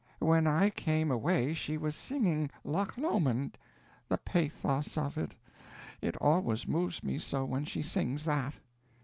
When I came away she was singing, 'Loch Lomond.' The pathos of it! It always moves me so when she sings that."